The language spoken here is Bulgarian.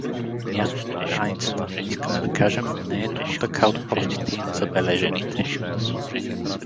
Мястото, границата, искаме да кажем, не е току-така от простите и незабележените.